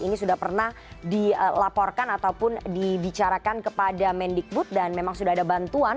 ini sudah pernah dilaporkan ataupun dibicarakan kepada mendikbud dan memang sudah ada bantuan